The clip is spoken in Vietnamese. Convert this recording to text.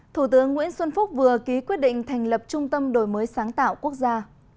thủ tướng nguyễn xuân phúc vừa ký quyết định thành lập trung tâm đổi mới sáng tạo quốc gia